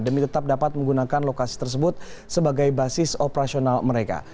demi tetap dapat menggunakan lokasi tersebut sebagai basis operasional mereka